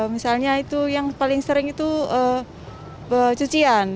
misalnya itu yang paling sering itu cucian